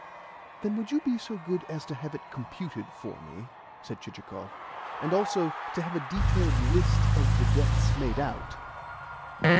"Then would you be so good as to have it computed for me?" said Chichikov. "And also to have a detailed list of the deaths made out?"